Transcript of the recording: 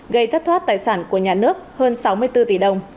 gây thất thoát tài sản của nhà nước hơn sáu mươi bốn tỷ đồng